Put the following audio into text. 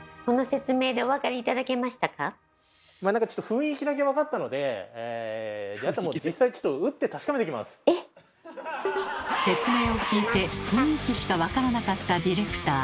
まあなんかちょっと説明を聞いて雰囲気しか分からなかったディレクター。